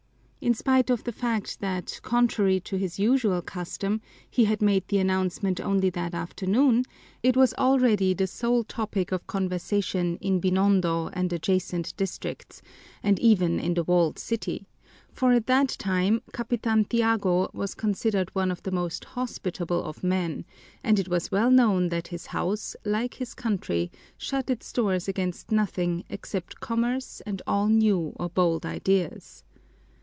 In spite of the fact that, contrary to his usual custom, he had made the announcement only that afternoon, it was already the sole topic of conversation in Binondo and adjacent districts, and even in the Walled City, for at that time Capitan Tiago was considered one of the most hospitable of men, and it was well known that his house, like his country, shut its doors against nothing except commerce and all new or bold ideas.